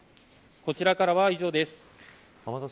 こちらからは以上です。